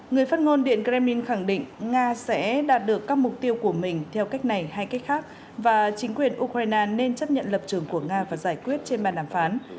người phát ngôn điện kremlin khẳng định nga sẽ đạt được các mục tiêu của mình theo cách này hay cách khác và chính quyền ukraine nên chấp nhận lập trường của nga và giải quyết trên màn đàm phán